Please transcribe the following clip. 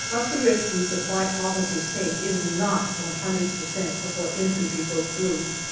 But the risk we Supply Officers take is not 100 per cent, of what infantry go through.